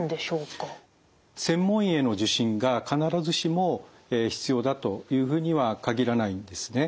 専門医への受診が必ずしも必要だというふうには限らないんですね。